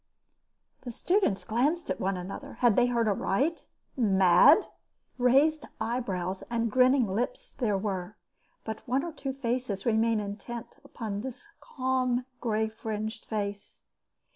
The students glanced at one another. Had they heard aright? Mad? Raised eyebrows and grinning lips there were, but one or two faces remained intent upon his calm grey fringed face.